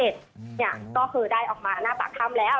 ก็เคยได้ออกมาหน้าฝากคำแล้ว